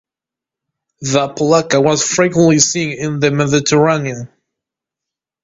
The polacca was frequently seen in the Mediterranean.